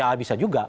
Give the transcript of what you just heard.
ya bisa juga